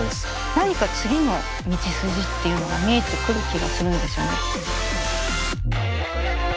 何か次の道筋っていうのが見えてくる気がするんですよね。